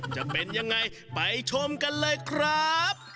จะเป็นยังไงไปชมกันเลยครับ